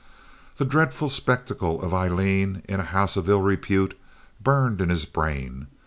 The dreadful spectacle of Aileen in a house of ill repute burned in his brain.